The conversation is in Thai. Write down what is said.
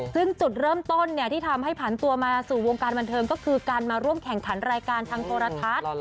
ซึ่งจุดเริ่มต้นที่ทำให้ผันตัวมาสู่วงการบันเทิงก็คือการมาร่วมแข่งขันรายการทางโทรทัศน์